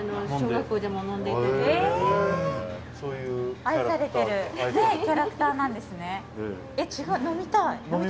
愛されてるキャラクターなんですね。